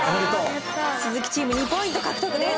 鈴木チーム２ポイント獲得です。